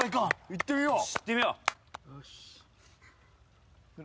行ってみよう。